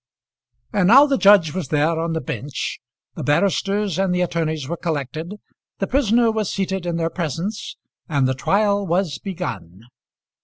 And now the judge was there on the bench, the barristers and the attorneys were collected, the prisoner was seated in their presence, and the trial was begun.